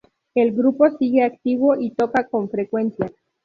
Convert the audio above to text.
El grupo sigue activo y toca con frecuencia.